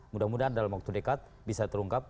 mudah mudahan dalam waktu dekat bisa terungkap